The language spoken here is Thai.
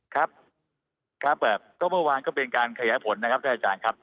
ครับครับก็เมื่อวานก็เป็นการขยายผลนะครับท่านอาจารย์ครับ